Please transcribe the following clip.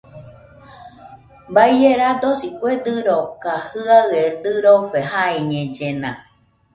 Baie radosi kue dɨkoka, jɨaɨe dɨrofe jaiñellena